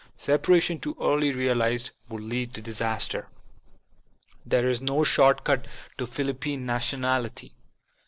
Separation too early realized would lead to disaster. There is no short cut to Philippine Nationality.